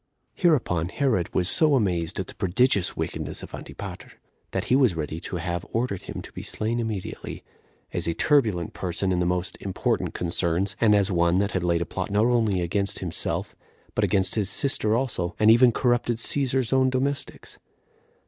8. Hereupon Herod was so amazed at the prodigious wickedness of Antipater, that he was ready to have ordered him to be slain immediately, as a turbulent person in the most important concerns, and as one that had laid a plot not only against himself, but against his sister also, and even corrupted Cæsar's own domestics.